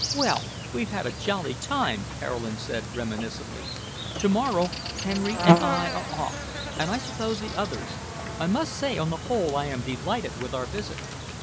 "Well, we've had a jolly time," Caroline said reminiscently. "To morrow Henry and I are off, and I suppose the others. I must say on the whole I am delighted with our visit."